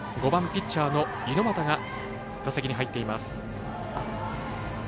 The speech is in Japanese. ５番、ピッチャーの猪俣が打席に入っています。